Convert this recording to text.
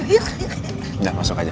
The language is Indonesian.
nggak masuk aja